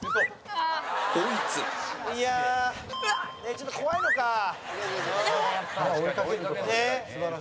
「ちょっと怖いのか」うう！